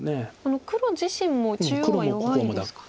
黒自身も中央は弱いんですか。